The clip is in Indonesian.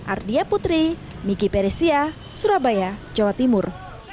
ardia putri miki peresia surabaya jawa timur